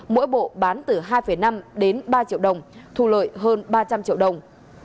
mỗi bộ bán từ hai năm đến ba triệu đồng thu lợi hơn ba trăm linh triệu đồng